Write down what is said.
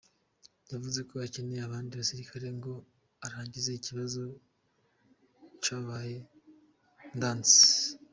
Yavuze ko akeneye abandi basirikare ngo arangize "ikibazo cabaye ndanse".